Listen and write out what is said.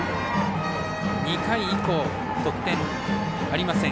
２回以降、得点ありません。